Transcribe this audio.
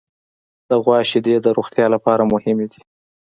د غوا شیدې د روغتیا لپاره مهمې دي.